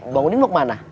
banguddin lo ke mana